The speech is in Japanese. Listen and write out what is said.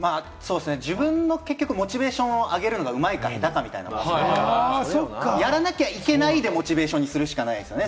自分のモチベーションを上げるのはうまいか下手かって、やらなきゃいけないってモチベーションにするしかないですね。